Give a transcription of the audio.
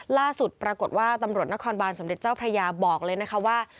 ล่าสุดปรากฏว่าตำรวจนครบานสมเด็จเจ้าพระยาบอกเลยนะคะว่า